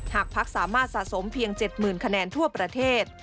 พักสามารถสะสมเพียง๗๐๐คะแนนทั่วประเทศ